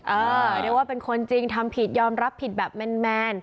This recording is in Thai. เออเดี๋ยวว่าเป็นคนจริงทำผิดยอมรับผิดแบบแม่นแมน